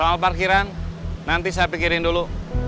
awal parkiran nanti saya pikirin dulu